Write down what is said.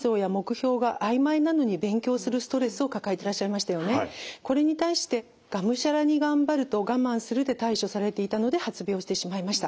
例えば先ほどの千葉県の１５歳の方はこれに対してがむしゃらに「頑張る」と「我慢する」で対処されていたので発病してしまいました。